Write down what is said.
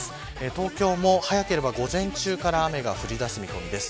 東京も早ければ午前中から雨が降りだす見込みです。